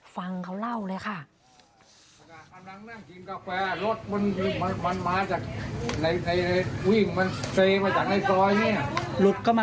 ฟังเขาเล่าเลยค่ะ